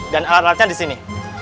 dan alat alatnya disini